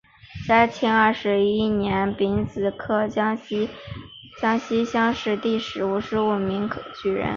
嘉庆二十一年丙子科江西乡试第五十五名举人。